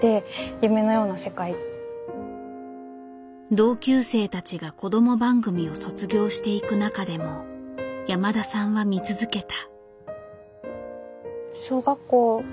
同級生たちが子ども番組を卒業していく中でも山田さんは見続けた。